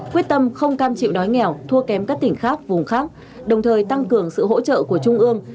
quyết tâm không cam chịu đói nghèo thua kém các tỉnh khác vùng khác đồng thời tăng cường sự hỗ trợ của trung ương